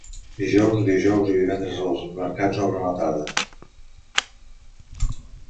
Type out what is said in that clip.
Dijous, dijous i divendres els mercats obren a la tarda.